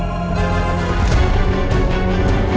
aku akan pergi berperang